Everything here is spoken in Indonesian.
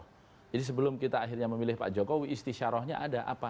jadi sebelum kita akhirnya memilih pak jokowi istisyarohnya ada apa